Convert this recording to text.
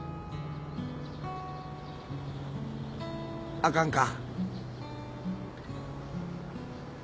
あかんか？